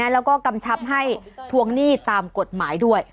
แล้วก็กำชับให้ทวงหนี้ตามกฎหมายด้วย